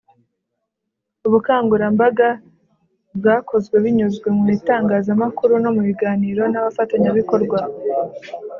Ubukangurambaga bwakozwe binyuze mu bitangazamakuru no mu biganiro n abafatanyabikorwa